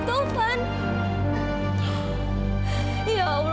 taufan ada disitu pak